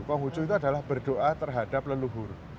konghucu itu adalah berdoa terhadap leluhur